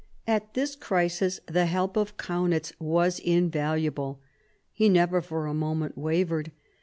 At this crisis, the help of Kaunitz was in valuable. He never for a moment wavered.